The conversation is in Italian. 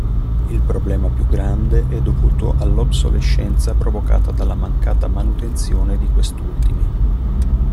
Il problema più grande è dovuto all'obsolescenza provocata dalla mancata manutenzione di quest'ultimi.